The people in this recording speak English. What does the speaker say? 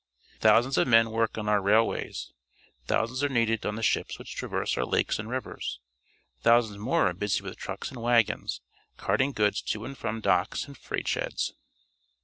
Thou sands of men work on our railways. Thou sands are needed on the ships which traverse our lakes and rivers. Thousands more are busy with trucks and wagons, carting goods to and from docks and freight sheds.